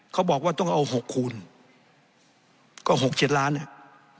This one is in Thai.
เขาบอกว่าต้องเอา๖คูณก็๖๗ล้านเนี่ย